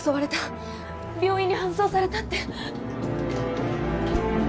病院に搬送されたって。